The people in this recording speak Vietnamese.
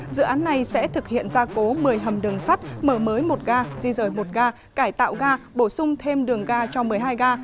dự án này sẽ thực hiện gia cố một mươi hầm đường sắt mở mới một ga di rời một ga cải tạo ga bổ sung thêm đường ga cho một mươi hai ga